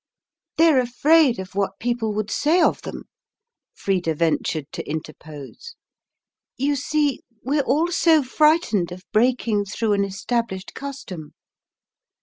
"They're afraid of what people would say of them," Frida ventured to interpose. "You see, we're all so frightened of breaking through an established custom."